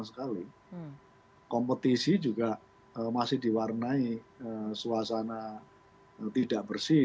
sekali kompetisi juga masih diwarnai suasana tidak bersih